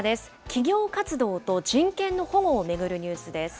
企業活動と人権の保護を巡るニュースです。